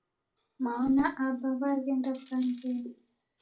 Mao na Aba w'aghenda w'ughangenyi.